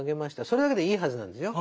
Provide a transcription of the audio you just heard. それだけでいいはずなんですよ。